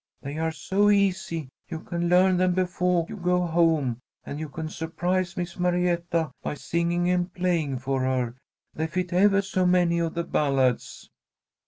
They are so easy you can learn them befoah you go home, and you can surprise Miss Marietta by singing and playing for her. They fit evah so many of the ballads."